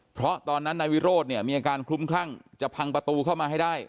เพราะตอนนั้นนายวิโรธเนี่ยมีอาการคลุ้มคลั่งจะพังประตูเข้ามาให้ได้